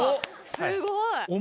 すごい。